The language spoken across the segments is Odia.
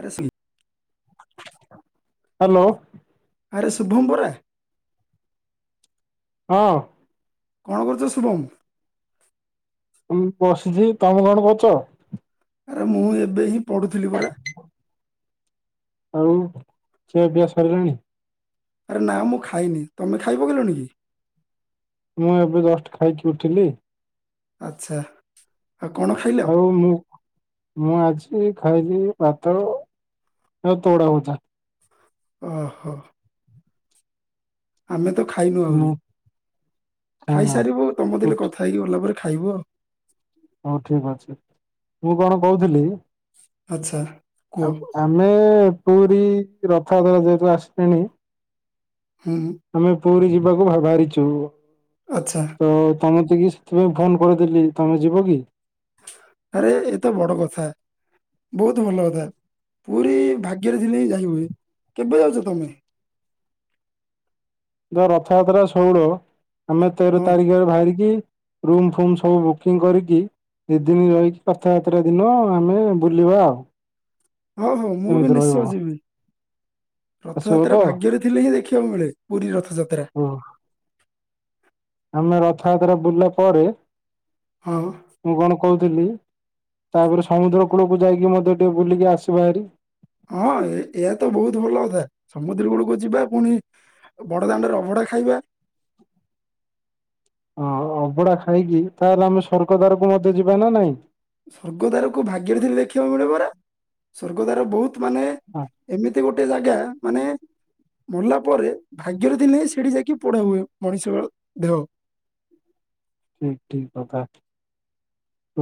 ଆରେ ସେଇ ହାଲୋ। ଆରେ ଶୁଭମ ବରା ହଁ। କଣ କରୁଛ ଶୁଭମ? ବସିଛି। ତମେ କଣ କରୁଚ? ଆରେ ମୁଁ ଏବେ ହିଁ ପଢୁଥିଲି ପରା। ଆଉ ଖିଆପିଆ ସରିଲାଣି? ଆରେ ନା ମୁଁ ଖାଇନି। ତମେ ଖାଇ ପକେଇଲଣି କି? ମୁଁ ଏବେ ଜଷ୍ଟ ଖାଇକି ଉଠିଲି। ଆଛା। ଆଉ ମୁଁ ମୁଁ ଆଜି ଖାଇଲି ଭାତ ଆଉ ତଅଡ଼ା ଭଜା ଓ ହୋ। ଆମେ ତ ଖାଇନୁ ଆହୁରି ମୁଁ ଖାଇନା ଖାଇସାରିବୁ ତମ ଦେଲେ ଉଠ କଥା ହେଇକି ଗଲା ପରେ ଖାଇବୁ ଆଉ ହଉ ଠିକ ଅଛି ମୁଁ କଣ କହୁଥିଲି। ଆଚ୍ଛା କୁହ ଆଉ ଆମେ ପୁରୀ ରଥାତ୍ରା ଯେହେତୁ ଆସିଲେଣି ହୁଁ। ଆମେ ପୁରୀ ଯିବାକୁ ଭାବହାରିଚୁ। ଆଚ୍ଛା ତ ତମେ ଠିକି ସେଥିପାଇଁ ଫୋନ କରିଦେଲି ତମେ ଯିବ କି? ଆରେ ଏତ ବଡ କଥା ବହୁତ ଭଲ କଥା ପୁରୀ ଭାଗ୍ୟରେ ଝିନି ଯାଇ ହୁଏ କେବେ ଯାଉଛ ତମେ ଯ ରଥଯାତ୍ରା ଶୋଡ଼ ଆମେ ତେର ହଁ ତାରିଖରେ ବାହାରିକି ରୁମ୍ ଫୁମ୍ ସବୁ ବୁକିଂ କରିକି ଦୁ ଦିନ ରହିକି ରଥଯାତ୍ରା ଦିନ ଆମେ ବୁଲିବା ଆଉ। ହଁ ହଁ ମୁଁ ବି କେମିତି ରହିବ ନିଶ୍ଚୟ ଯିବି ଆସିବ ତ? ରଥଯାତ୍ରା ଭାଗ୍ୟରେ ଥିଲେ ହିଁ ଦେଖିବାକୁ ମିଳେ ପୁରୀ ରଥଯାତ୍ରା ହୁଁ ଆମେ ରଥଯାତ୍ରା ବୁଲିଲା ପରେ ହଁ। ମୁଁ କଣ କହୁଥିଲି ତାପରେ ସମୁଦ୍ର କୂଳକୁ ଯାଇକି ମତେ ଟିକେ ବୁଲିକି ଆସିବାହାରି ହଁ ଏହା ତ ବହୁତ ଭଲ କଥା। ସମୁଦ୍ର କୂଳକୁ ଯିବା ପୁଣି ବଡ ଦାଣ୍ଡରେ ଅଭଡା ଖାଇବା ହଁ ଅବଡା ଖାଇକି ତାହେଲେ ଆମେ ସର୍ଗଦାରକୁ ମଧ୍ୟ ଯିବା ନା ନାଇଁ। ସ୍ଵର୍ଗଦ୍ୱାରକୁ ଭାଗ୍ୟରେ ଥିଲେ ଦେଖିବାକୁ ମିଳେ ପରା। ସ୍ଵର୍ଗଦ୍ୱାର ବହୁତ ମାନେ ହଁ ଏମିତି ଗୋଟେ ଜାଗା ମାନେ ମଲା ପରେ ଭାଗ୍ୟର ଥିଲେ ସେଠି ଯାଇକି ପୋଡା ହୁଏ। ମଣିଷ ଦେହ ଠିକ ଠିକ କଥା,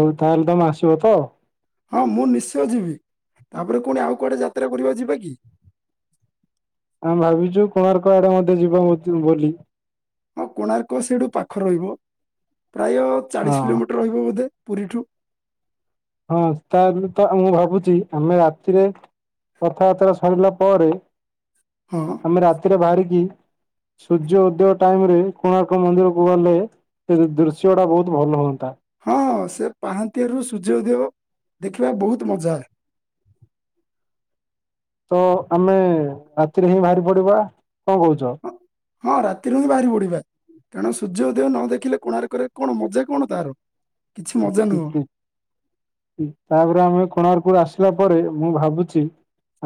ହ ତାହେଲେ ତମେ ଆସିବ ତ? ହଁ ମୁଁ ନିଶ୍ଚୟ ଯିବି। ତାପରେ ପୁଣି ଆଉ କୁଆଡେ ଯାତ୍ରା ପଡିବ ଯିବା କି? ଆମେ ଭାବିଛୁ କୋଣାର୍କ ଆଡେ ମଧ୍ୟ ଯିବା ଚ ବୁଲି। ହଁ କୋଣାର୍କ ସେଇଠୁ ପାଖ ରହିବ। ପ୍ରାୟ ଚାଳିଶ ହଁ କିଲୋମିଟର ରହିବ ବୋଧେ ପୁରୀଠୁ। ହଁ ତାହେଲେ ତ ମୁଁ ଭାବୁଛି ଆମେ ରାତିରେ କଥାବାର୍ତ୍ତା ସରିଲା ପରେ ହଁ ଆମେ ରାତିରେ ବାହାରିକି ସୂର୍ଯ୍ୟ ଉଦୟ ଟାଇମରେ କୋଣାର୍କ ମନ୍ଦିର କୁ ଗଲେ ସେ ଦୃଶ୍ୟ ଟା ବହୁତ ଭଲ ହୁଅନ୍ତା। ହଁ ସେ ପାହାନ୍ତିଆରୁ ସୂର୍ଯ୍ୟୋଦବ ଦେଖିବା ବହୁତ ମଜା। ତ ଆମେ ରାତିରେ ହିଁ ବାହାରି ପଡିବା। କଣ କହୁଛ? ହଁ ହଁ ରାତିରୁ ହିଁ ବାହାରି ପଡିବା କାରଣ ସୂର୍ଯ୍ୟ ଉଦୟ ନ ଦେଖିଲେ କୋଣାର୍କରେ କଣ ମଜା କଣ ତାର? କିଛି ମଜା ନୁହଁ ଠିକ ଠିକ ତାପରେ ଆମେ କୋଣାର୍କ ରୁ ଆସ ଥିଲା ପରେ ମୁଁ ଭାବୁଛି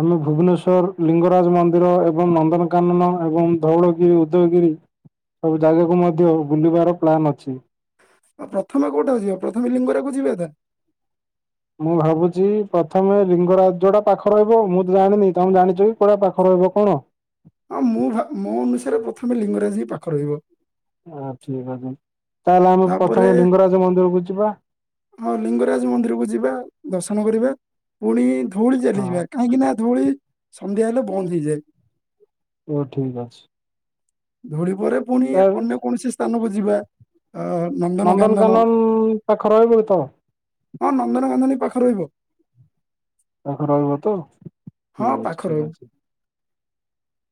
ଆମେ ଭୁବନେଶ୍ଵର ଲିଙ୍ଗରାଜ ମନ୍ଦିର ଏବଂ ନନ୍ଦନକାନନ ଏବଂ ଧଉଳଗିରି, ଉଦୟଗିରି ସବୁ ଜାଗାକୁ ମଧ୍ୟ ବୁଲିବାର ପ୍ଲାନ୍ ଅଛି। ଆଉ ପ୍ରଥମେ କୋଉଟା କୁ ଯିବା ପ୍ରଥମେ ଲିଙ୍ଗରା କୁ ଯିବା ତ? ମୁଁ ଭାବୁଛି ପ୍ରଥମେ ଲିଙ୍ଗରାଜଟା ପାଖ ରହିବ ମୁଁ ତ ଜାଣିନି ତମେ ଜାଣିଛ କି, କୋଉଟା ପାଖ ରହିବ କଣ? ହଁ ମୁଁ ଭା ମୋ ଅନୁସାରେ ପ୍ରଥମେ ଲିଙ୍ଗରାଜ ବି ପାଖ ରହିବ। ହଁ ଠିକ ଅଛି। ତାହେଲେ ଆମେ ତାପରେ ପ୍ରଥମେ ଲିଙ୍ଗରାଜ ମନ୍ଦିରକୁ ଯିବା ହଁ ଲିଙ୍ଗରାଜ ମନ୍ଦିରକୁୁ ଯିବା ଦର୍ଶନ କରିବା। ପୁଣି ଧଉଳି ହଁ ଚାଲିଯିବା କାହିଁକି ନା ଧଉଳି ସନ୍ଧ୍ୟା ହେଲେ ବନ୍ଦ ହେଇଯାଏ। ଓଃ ଠିକ ଅଛି। ଧଉଳି ଘରେ ପୁଣି ତା ଅନ୍ୟ କୌଣସି ସ୍ଥାନକୁ ଯିବା। ନନ୍ଦନକାନନ ପାଖ ରହିବ ତ? ନନ୍ଦନକାନନ ବି ପାଖ ହଁ ରହିବ। ପାଖ ରହିବ ତ ହଁ ଠିକ ଅଛି ପାଖ ଠିକ ରହିବ ଅଛି।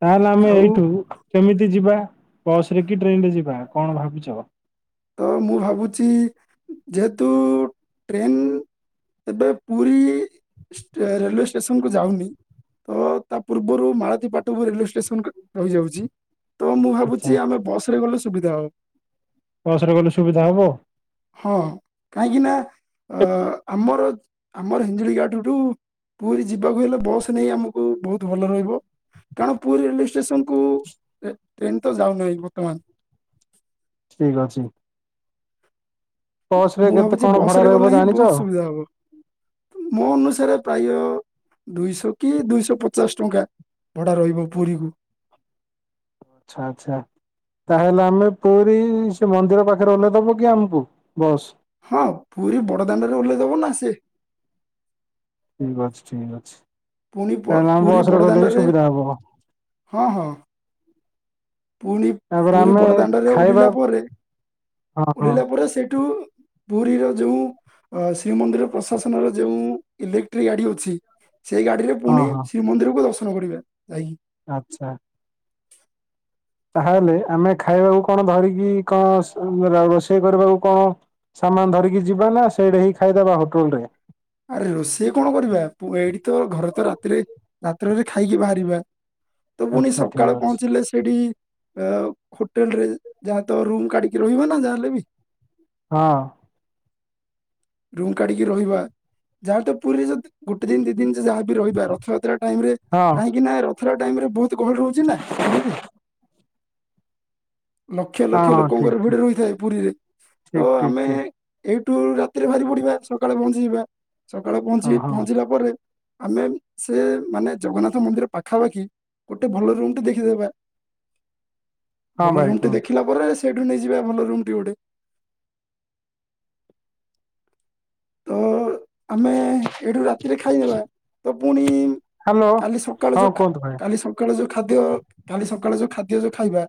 ତାହେଲେ ଆମେ ଆଉ ଏଇଠୁ କେମିତି ଯିବା? ବସ ରେ କି ଟ୍ରେନ ରେ ଯିବା କଣ ଭାବୁଛ। କିନ୍ତୁ ଟ୍ରେନ ଏବେ ପୁରୀ ରେଲୱେ ଷ୍ଟେସନକୁ ଯାଉନି ତ ତା ପୂର୍ବରୁ ମାଳତୀପଟକୁ ରେଲୱେ ଷ୍ଟେସନ ରହିଯାଉଛି। ତ ମୁଁ ଆଛା ଭାବୁଛି ଆମେ ବସ ଲେ ଗଲେ ସୁବିଧା ହେବ। ବସରେ ଗଲେ ସୁବିଧା ହବ। ହଁ କାହିଁକି ନା ଆମର ଆମର ହିଞ୍ଜଳି ଗାଠଠୁ ପୁରୀ ଯିବାକୁ ହେଲେ ବସ୍ ନେଇ ଆମକୁ ବହୁତ ଭଲ ରହିବ କାରଣ ପୁରୀ ରେଲେ ଷ୍ଟେସନ ଗୋ ଏ ଟ୍ରେନ ତ ଯାଉନାହିଁ ବର୍ତ୍ତମାନ। ଠିକ୍ ଅଛି। ବସ ରେ ମୁଁ କେତେ ଭାବୁଛି କଣ ବସ୍ ଭଡା ରେ ରହିବ ଗଲେ ହିଁ ଜାଣିଛ? ବହୁତ ସୁବିଧା ହେବ ମୋ ଅନୁସାରେ ପ୍ରାୟ ଦୁଇଶହ କି ଦୁଇଶହ ପଚାଶ ଟଙ୍କା ଭଡା ରହିବ ପୁରୀକୁ। ଆଚ୍ଛା ଆଚ୍ଛା ତାହେଲେ ଆମେ ପୁରୀ ସେ ମନ୍ଦିର ପାଖରେ ଓହ୍ଲେଇ ଦେବକି ଆମକୁ। ବସ୍ ହଁ ପୁରୀ ବଡ ଦାଣ୍ଡରେ ଓହ୍ଲେଇଦବ ନା ସେ? ଠିକ୍ ଅଛିଠିକ୍ ଅଛି। ପୁଣି ତାହେଲେ ଆମେ ପୁରୀ ବସ ରେ ଗଲେ ହିଁ ବଡ଼ଦାଣ୍ଡରେ ସୁବିଧା ହବ ହଁ ହଁ? ପୁଣି ତାପରେ ପୁରୀ ଆମେ ବଡ଼ଦାଣ୍ଡରେ ଖାଇବା ଉଲିଲା ପରେ ହଁ ହଁ ଉଲିଲା ପରେ ସେଇଠୁ ପୁରୀର ଯଉ ଶ୍ରୀମନ୍ଦିର ପ୍ରଶାସନର ଯେଉଁ ଇଲେକ୍ଟ୍ରିକ ଗାଡି ଅଛି ସେଇ ଗାଡି ରେ ହଁ ପୁଣି ହଁ ଶ୍ରୀମନ୍ଦିରକୁ ଦର୍ଶ [unintelligible] ଆଚ୍ଛା। ତାହେଲେ ଆମେ ଖାଇବାକୁ କଣ ଧରିକି କଣ ରୋଷେଇ କରିବାକୁ କଣ ସାମାନ ଧରିକି ଯିବା ନା ସେଇଟା ହିଁ ଖାଇଦବା ହୋଟେଲ ରେ? ଆରେ ରୋଷେଇ କ'ଣ କରିବା ପୁ- ଏଇଠି ତ ଘରେ ତ ରାତିରେ ରାତ୍ରରେ ଖାଇକି ବାହାରିବା। ତ ପୁଣି ଆଚ୍ଛା ଠିକ ସକାଳେ ଅଛି ପହଞ୍ଚିଲେ ସେଇଠି ଅ ହୋଟେଲ ରେ ଯାହା ତ ରୁମ କାଢିକି ରହିବ ନା ଯାହେଲେ ବି। ହଁ। ରୁମ କାଢିକି ରହିବା ଯାହା ତ ପୁରୀ ଗୋଟେ ଦିନ ଦି ଦିନ ଯାହା ବି ରହିବା ରଥଯାତ୍ରା ଟାଇମ ରେ ହଁ କାହିଁକି ନାଁ ପୁରା ଟାଇମ ରେ ବହୁତ ଗାହଳି ରହିଛି ନା ପୁରୀ ରେ ଲକ୍ଷ ହଁ ଲକ୍ଷ ହଁ ଠିକ ଲୋକଙ୍କର ଭିଡ ରହିଥାଏ ପୁରୀରେ ତ ଠିକ ଠିକ ଆମେ ଠିକ ଠିକ ଏଇ ଟୁର ରେ ବାହାରି ପଡିବା ସକାଳେ ପହଞ୍ଚିଯିବା। ସକାଳେ ହଁ ପହଞ୍ଚିକି ହଁ ପହଞ୍ଚିଲା ପରେ ଆମେ ସେ ମାନେ ଜଗନ୍ନାଥ ମନ୍ଦିର ପାଖାପାଖି ଗୋଟେ ଭଲ ରୁମ ଟେ ଦେଖିଦବା। ହଁ ଭଲ ଭାଇ ରୁମଟି କୁହନ୍ତୁ ଦେଖିଲା ପରେ ସେଇଠୁ ନେଇଯିବେ ଭଲ ରୁମ୍ ଟି ଗୋଟେ। ତ। ଆମେ ଏଇଠୁ ରାତିରେ ଖାଇଦେବା ତ ପୁଣି ହ୍ୟାଲୋ କାଲି ସକାଳ ହଁ ଯୋଉ କୁହନ୍ତୁ ଭାଇ କାଲି ସକାଳ ଯୋଉ ଖାଦ୍ୟ କାଲି ସକାଳେ ଯୋଉ ଖାଦ୍ୟ ଯୋଉ ଖାଇବା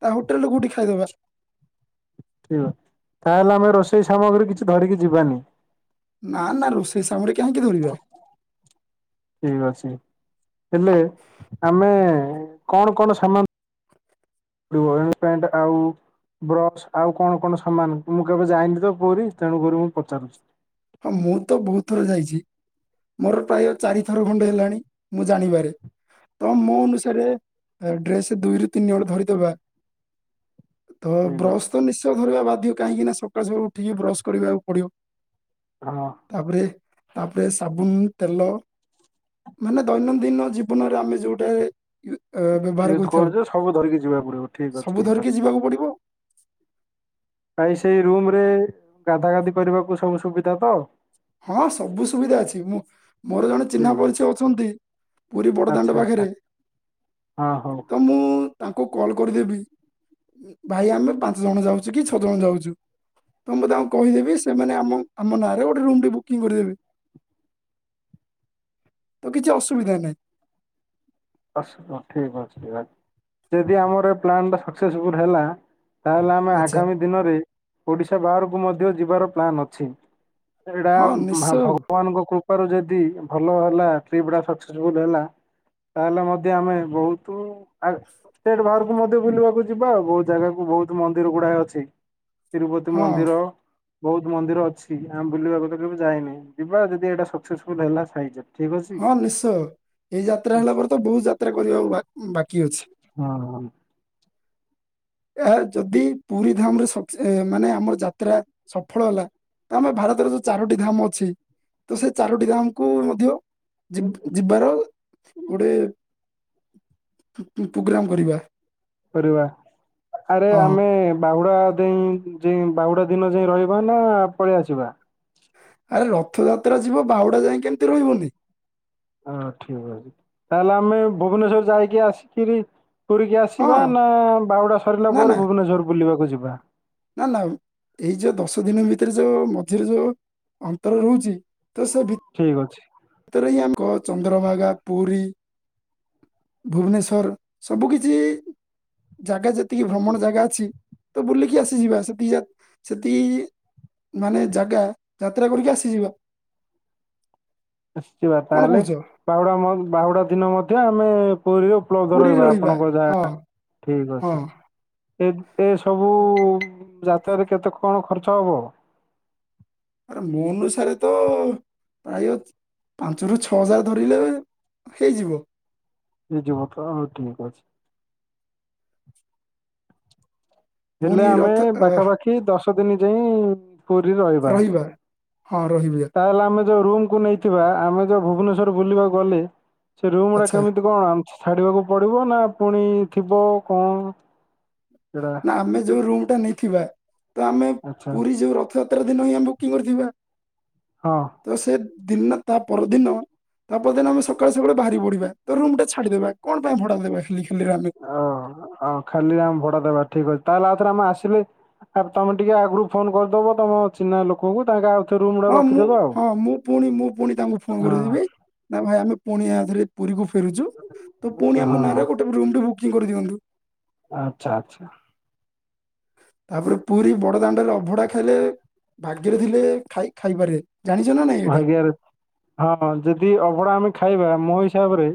ତା ହୋଟେଲ ରେ କୋଉଠି ଖାଇଦବା। ଠିକ୍ ଅଛି ତାହେଲେ ଆମେ ରୋଷେଇ ସାମଗ୍ରୀ କିଛି ଧରିକି ଯିବାନି? ନା ନା ରୁସେଇ [unintelligible] ଠିକ୍ ଅଛି ହେଲେ ଆମେ କଣ କଣ ସମାନଡିବଣ୍ଟ ଆଉ ବ୍ରସ ଆଉ କଣ କଣ ସମାନ ମୁଁ କେବେ ଯାଇନି ତ ପୁରୀ ତେଣୁକରି ମୁଁ ପଚାରୁଛି? ହଁ ମୁଁ ତ ବହୁତ ଥର ଯାଇଛି ମୋର ପ୍ରାୟ ଚାରି ଥର ଖଣ୍ଡେ ହେଲାଣି ମୁଁ ଜାଣିବାରେ ତ ମୋ ଅନୁସାରେ ଡ୍ରେସ ଦୁଇରୁ ତିନି ହଳ ଧରିଦବା ତ ଠିକ୍ ଅଛି। ବ୍ରଶ ତ ନିଶ୍ଚୟ ଧରିବା ବାଧ୍ୟ। ମଧ୍ୟ କାହିଁକି ନା ସକାଳୁ ସକାଳୁ ଉଠିକି ବ୍ରଶ କରିବାକୁ ପଡିବ। ହଁ ତାପରେ। ତାପରେ ସାବୁନ ତେଲ ମାନେ ଦୈନନ୍ଦିନ ଜୀବନରେ ଆମେ ଯୋଉଟା ବ୍ୟବହାର ୟୁଜ୍ କରିଥାଉ କରୁଛ ସବୁ ଧରିକି ଯିବାକୁ ପଡିବ ଠିକ୍ ଅଛି ସବୁ ଠିକ୍ ଧରିକି ଅଛି ଯିବାକୁ ପଡ଼ିବ। ଭାଇ ସେଇ ରୁମ ରେ ଗାଧା ଗାଧି କରିବାକୁ ସବୁ ସୁବିଧା ତ ହଁ ସବୁ ସୁବିଧା ଅଛି ମୁଁ ମୋର ଜଣେ ଚିହ୍ନା ଠିକ୍ ପରିଚୟ ଅଛି ଅଛନ୍ତି ପୁରୀ ବଡଦାଣ୍ଡ ଆଚ୍ଛା ଆଚ୍ଛା ପାଖରେ ହଁ ହଉ ତ ମୁଁ ତାଙ୍କୁ କଲ୍ କରିଦେବି ଭାଇ ଆମେ ପାଞ୍ଚ ଜଣ ଯାଉଛୁ କି ଛଅ ଜଣ ଯାଉଛୁ ତ ମୁଁ ତାଙ୍କୁ କହିଦେବି ସେମାନେ ଆମ ଆମ ନାଁରେ ଗୋ ମ୍ ଟେ ବୁକିଂ କରିବନି ତ କିଛି ଅସୁବିଧା ନାହିଁ ଆ ଠିକ ଅଛିଠିକ ଅ ଯଦି ଆମର ଏ ପ୍ଲାନ୍ ଟା ସକ୍ସେସଫୁଲ ହେଲା ତାହେଲେ ଆମେ ଆଚ୍ଛା ଆଗାମୀ ଦିନରେ ଓଡିଶା ବାହାର କୁ ମଧ୍ୟ ଯିବାର ପ୍ଲାନ୍ ଅଛି ଏଇଟା ହଁ ଭା ନିଶ୍ଚୟ ଭଗବାନଙ୍କ କୃପାରୁ ଯଦି ଭଲ ହେଲା ଟ୍ରିପ ଟା ସକ୍ସେସଫୁଲ ହେଲା ତାହେଲେ ମଧ୍ୟ ଆମେ ବହୁତ ଆ ଷ୍ଟେଟ ବାହର ମଧ୍ୟ ବୁଲିବାକୁ ଯିବା ଆଉ ବହୁତ ଜାଗାକୁ ବହୁତ ମନ୍ଦିର ଗୁଡାଏ ଅଛି ତିରୁପତି ହଁ ମନ୍ଦିର ବହୁତ ମନ୍ଦିର ଅଛି ଆମେ ବୁଲିବା କଥା କେବେ ଯାଇନି ଯିବା ଯଦି ଏଇଟା ସକ୍ସେସଫୁଲ ହେଲା ସାାଇ ହଁ ନିଶ୍ଚୟ ଏଇଯ ଯାତ୍ରା ହେଲା ପରେ ତ ବହୁତ ଯାତ୍ରା କରିବାକୁ ବା ବାକି ଅଛି ହଁ ଆ ଯଦି ପୁରୀ ଧାମ ରେ ମାନେ ଆମର ଯାତ୍ରା ସଫଳ ହେଲା ତ ଆମର ଭାରତର ଯୋଉ ଚାରୋଟି ଧାମ ଅଛି ତ ସେଇ ଚାରୋଟି ଧାମ କୁ ମଧ୍ୟ ଯ ଯିବାର ଗୋଟେ ପା ପୁଗ୍ରାମ କରିବା କରିବା ଆରେ ହଁ ଆମେ ବାହୁଡା ଯେ ଯେ ବାହୁଡା ଦିନ ଯାଇ ରହିବା ନା ପଳେଇ ଆସିବା? ଆରେ ରଥଯାତ୍ରା ଯିବ ବାଉଡା ଯାଇଏ କେମିତି ରହିବନି। ହଁ ଠିକ ଅଛି ତାହେଲେ ଆମେ ଭୁବନେଶ୍ୱର ଯାଇକି ଆସିକିରି ପୁରୀକି ହଁ ଆସିବା ନା ବାଉଡା ସରିଲା ନା ନା ପରେ ଭୁବନେଶ୍ୱର ବୁଲିବା କୁ ଯିବା। ନା ନା ଏଇ ଯୋଉ ଦଶ ଦିନ ଭିତରେ ଯୋଉ ମଝିରେ ଯୋଉ ଅନ୍ତର ରହୁଛି ତ ସେ ଠିକ ଅଛି। ଭିତରେ ହିଁ ଆମ କ ଚନ୍ଦ୍ରଭାଗା ପୁରୀ ଭୁବନେଶ୍ୱର ସବୁ କିିଛି ଜାଗା ଯେତିକି ଭ୍ରମଣ ଜାଗା ଅଛି ତ ବୁଲିକି ଆସିଯିବା ସେତିକି ସେତିକି ମାନେ ଜାଗା ଯାତ୍ରା କରିକି ଆସିଯିବା। [inaudible] ଆସିବା କଣ ତାହେଲେ କହୁଛ ବାହୁଡା ବାହୁଡା ଦିନ ମଧ୍ୟ ଆଉ ମେଁ ପୁରୀରେ ଉପଲବ୍ଧ ପୁରୀରେ ରହିବ ରହିବା ଆପଣଙ୍କ ହଁ ଯାହା ଠିକ ହଁ ଅଛି [inaudible] ଏ ଏସବୁ ହୁଁ। ଯାତ୍ରା ରେ କେତେ କଣ ଖର୍ ଛବ। [inaudible] ଆରେ ମୋ ଅନୁସାରେ ତ ପ୍ରାୟ ପାଞ୍ଚରୁ ଛଅ ହଜାର ଧରିଲେ ହେଇଯିବ। [unintelligible] ହେଲେ ପୁଣି ଆମେ ରଥ ଅ, ପାଖାପାଖି ଦଶ ଦିନ ଯାଇ ପୁରୀରେ ରହିବା। ହଁ ରହିବିଆ। ତାହେଲେ ଆମେ ରୁମ୍ କୁ ନେଇଥିବା ଆମେ ଯୋଉ ଭୁବନେଶ୍ଵର ବୁଲିବାକୁ ଗଲେ ସେ ରୁମ୍ ଗୁଡା ଆଚ୍ଛା କେମିତି କଣ ଆମ୍ ଛାଡିବାକୁ ପଡିବ ନା ଫୁଣି ଥିବ କଣ ସେଟା ନା ଆମେ ଯୋଉ ରୁମ ଟା ନେଇଥିବା ତ ଆମେ ଆଚ୍ଛା ପୁରୀ ଯୋଉ ର ଥ ଯାତ୍ରା ଦିନ ହିଁ ଆମେ ବୁକିଂ କରିଥିବା। ହଁ [inaudible] ତ ସେ ଦିନ ତା ପରଦିନ ତା ପରଦିନ ଆମେ ସକାଳୁ ସକାଳୁ ବାହାରି ପଡିବା ତ ରୁମ ଟା ଛାଡିଦବା କଣ ପାଇଁ ଭଡା ଦେବା। ଖାଲି ଖାଲିରେ ଆମେ ଓ ଆଉ ଖାଲି ଆମ ଭଡା ଦେବା ଠିକ୍ ଅଛି ତାହେଲେ ଆଉଥରେ ଆମେ ଆସିଲେ ଆ ତମେ ଟିକେ ଆଗରୁ ଫୋନ କରିଦବ ତମ ଚିହ୍ନା ଲୋକଙ୍କୁ ତାଙ୍କେ ଆଉ ଆଉଥରେ ରୁମ୍ ଟା ହଁ ମୁଁ ରଖିଦେବେ ହଁ ମୁଁ ପୁଣି ମୁଁ ପୁଣି ତାଙ୍କୁ ଫୋନ ହଁ କରଥିବି ନା ଭାଇ ଆମେ କୁଣିଆ ଧରି ପୁରୀକୁ ଫେରୁଛୁ ତ ଆଚ୍ଛା ପୁଣି ହଁ ଆମ ହଁ ନାଁରେ ଗୋଟେ ରୁମ୍ ଟେ ବୁ କିଂଗ କରିଦିଅନ୍ତୁ। ଆଚ୍ଛା ଆଚ୍ଛା। ତାପରେ ପୁରୀ ବଡ ଦାଣ୍ଡରେ ଅଭଡା ଖାଇଲେ ଭାଗ୍ୟରେ ଥିଲେ ଖାଇ ଖାଇପାରେ। ଜାଣିଛ ନା ନାଇଁ ଏଇଟା ଭାଗ୍ୟରେ ହଁ ଯଦି ଅଭଢା ଆମେ ଖାଇବା ମୋ ହିସାବରେ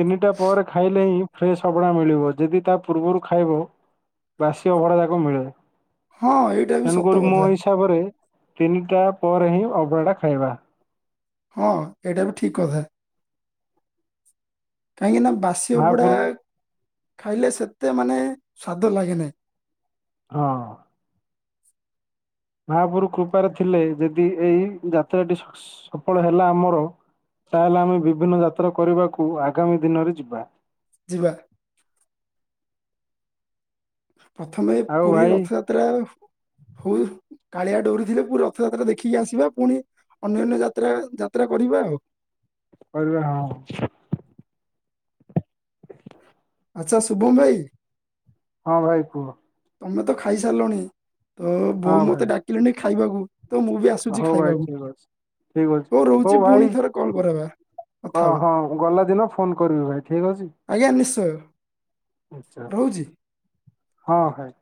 ତିନିଟା ପରେ ଖାଇଲେ ହିଁ ଫ୍ରେଶ୍ ଅଭଢା ମିଳିବ ଯଦି ତା ପୂର୍ବରୁ ଖାଇବ ବାସି ଅଭଡ଼ା ଯାକ ମିଳେ। ହଁ ଏଇଟା ବି ସତ ତେଣୁକରି ମୋ କଥା ହିସାବରେ ତିନିଟା ପରେ ହିଁ ଅଘ୍ ବଢ଼ା ଖାଇବା। ହଁ ଏଇଟା ବି ଠିକ କଥା। କାହିଁକିନା ବାସି ଅଭଡ଼ା ମହାପୁରୁ ଖାଇଲେ ସେତେ ମାନେ ସ୍ଵାଦ ଲାଗେ ନାଇଁ। ହଁ। ମହାପ୍ରଭୁ କୃପାରେ ଥିଲେ ଯଦି ଏଇ ଯାତ୍ରାଟି ସଫଳ ହେଲା ଆମର ତାହାେଲେ ଆମେ ବିଭିନ୍ନ ଯାତ୍ରା କରିବାକୁ ଆଗାମୀ ଦିନରେ ଯିବା। ଯିବା। ପ୍ରଥମେ ଆଉ ପୁରୀ ଭାଇ ରଥଯାତ୍ରା ହଉ। କାଳିଆ ଡୋରିଥିଲେ ରଥଯାତ୍ରା ଦେଖିକି ଆସିବା ପୁଣି ଅନ୍ୟାନ୍ୟ ଯାତ୍ରା ଯାତ୍ରା କରିବା ଆଉ। କରିବା ଆଉ। ଆଛା ଶୁଭମ ଭାଇ। ହଁ ଭାଇ କୁହ? ତମେ ତ ଖାଇସାରିଲଣି। ତ ହଁ ବୋଉ ଭାଇ ମତେ ଡାକିଲେଣି ଖା ଖାଇବାକୁ ତ ମୁଁ ବି ଆସୁଛି ହଉ ଭାଇ ଖାଇବାକୁ ଠିକ ଅଛି, ଠିକ ଅଛି ରହୁଛି ହଉ ପୁଣି ଭାଇ ଥରେ କଲ୍ କରାବା କଥା ହ ହବା ହଁ ଗଲା ଦିନ ଫୋନ କରିବି ଭାଇ ଠିକ ଅଛି। ଆଚ୍ଛା ରହୁଚି। ହଁ ହାଏ।